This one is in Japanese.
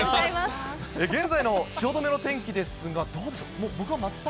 現在の汐留の天気ですが、どうでしょう。